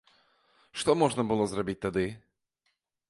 Што можна было зрабіць тады?